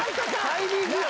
タイミングよ